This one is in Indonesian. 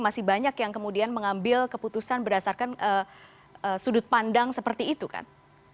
masih banyak yang kemudian mengambil keputusan berdasarkan sudut pandang seperti itu kan